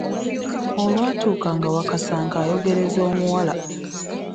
Olwatuuka nga Wakasanke ayogereza omuwala.